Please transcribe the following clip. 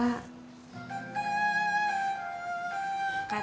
eh enggak bisa